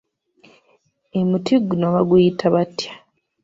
Emuti guno baguyita batya?